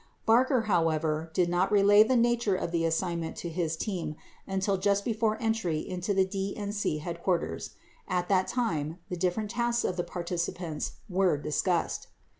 Barker, however, did not relay the nature of the assignment to his team until just before entry into the DNC headquarters. 29 At that time, the different tasks of the par ticipants were discussed.